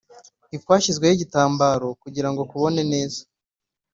ntikwashyizweho igitambaro kugira ngo kubone neza